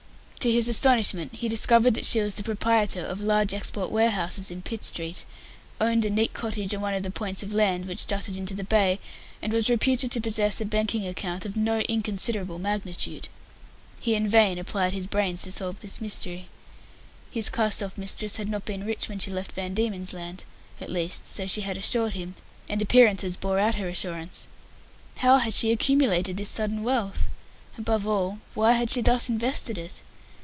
To his astonishment, he discovered that she was the proprietor of large export warehouses in Pitt street, owned a neat cottage on one of the points of land which jutted into the bay, and was reputed to possess a banking account of no inconsiderable magnitude. He in vain applied his brains to solve this mystery. His cast off mistress had not been rich when she left Van Diemen's Land at least, so she had assured him, and appearances bore out her assurance. How had she accumulated this sudden wealth? Above all, why had she thus invested it?